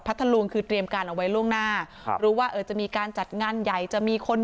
พัทธรูงคือเตรียมการเอาไว้ล่วงหน้าหรือว่าจะมีการจัดงานใหญ่จะมีคน